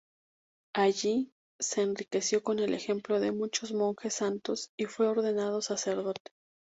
Allí, se enriqueció con el ejemplo de muchos monjes santos y fue ordenado sacerdote.